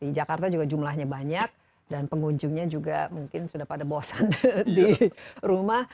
di jakarta juga jumlahnya banyak dan pengunjungnya juga mungkin sudah pada bosan di rumah